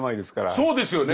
そうですよね。